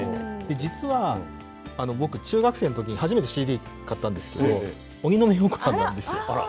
実は、僕、中学生のとき、初めてＣＤ買ったんですけど、荻野目洋子さんなんですよ。